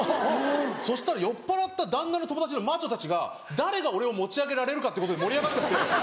そしたら酔っ払った旦那の友達のマッチョたちが誰が俺を持ち上げられるかってことで盛り上がっちゃって。